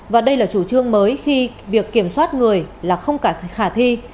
và đây là chủ trương mới khi việc kiểm soát người là không cả khả thi